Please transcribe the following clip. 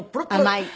甘い？